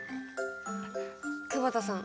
久保田さん